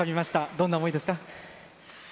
どんな思いですか？